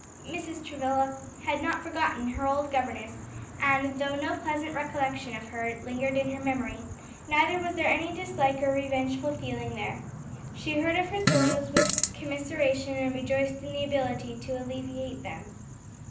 Mrs. Travilla had not forgotten her old governess, and though no pleasant recollection of her lingered in her memory, neither was there any dislike or revengeful feeling there. She heard of her sorrows with commiseration and rejoiced in the ability to alleviate them.